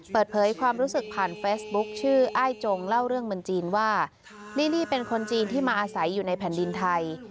เปิดเผยความรู้สึกผ่านเฟซบุ๊คชื่ออ้ายจงเล่าเรื่องเมืองจีนว่านี่นี่เป็นคนจีนที่มาอาศัยอยู่ในแผ่นดินไทย